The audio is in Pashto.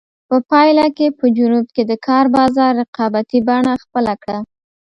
په پایله کې په جنوب کې د کار بازار رقابتي بڼه خپله کړه.